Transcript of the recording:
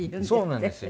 そうなんですよ。